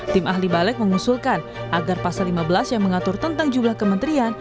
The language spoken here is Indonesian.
tim ahli balek mengusulkan agar pasal lima belas yang mengatur tentang jumlah kementerian